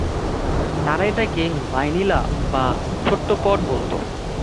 তারা এটাকে "ভাইনিলা" বা "ছোট্ট পড" বলত।